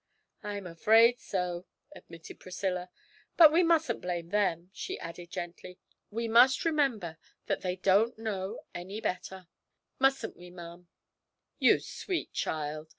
'I'm afraid so,' admitted Priscilla; 'but we mustn't blame them,' she added gently, 'we must remember that they don't know any better mustn't we, ma'am?' 'You sweet child!'